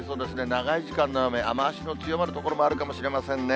長い時間の雨、雨足の強まる所もあるかもしれませんね。